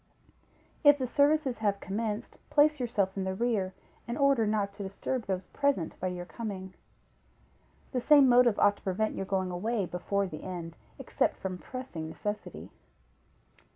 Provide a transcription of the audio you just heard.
If the services have commenced, place yourself in the rear, in order not to disturb those present by your coming. The same motive ought to prevent your going away before the end, except from pressing necessity.